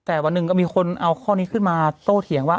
แต่วันหนึ่งก็มีคนเอาข้อนี้ขึ้นมาโต้เถียงว่า